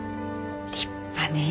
立派ねえ。